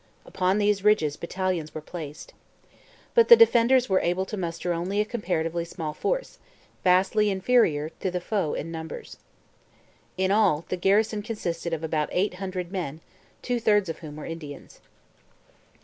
Upon these ridges battalions were placed. But the defenders were able to muster only a comparatively small force, vastly inferior to the foe in numbers. In all, the garrison consisted of about eight hundred men, two thirds of whom were Indians.